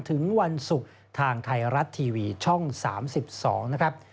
ถึงวันศุกร์ทางไทยรัฐทีวีช่อง๓๒นะครับ